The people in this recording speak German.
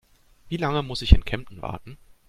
Wie lange muss ich in Kempten warten?